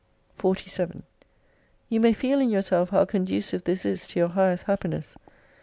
47 You may feel in yourself how conducive this is to your highest happiness.